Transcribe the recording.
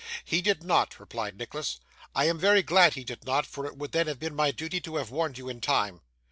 'He did not,' replied Nicholas; 'I am very glad he did not, for it would then have been my duty to have warned you in time.